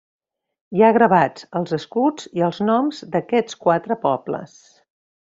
Hi ha gravats els escuts i els noms d'aquests quatre pobles.